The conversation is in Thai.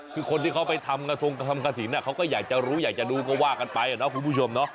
คือคนที่เขาไปทำกระถิ่นเขาก็อยากจะรู้อยากจะดูก็ว่ากันไปนะครับคุณผู้ชม